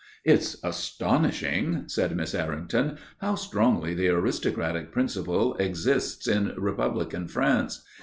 "It's astonishing," said Miss Errington, "how strongly the aristocratic principle exists in republican France.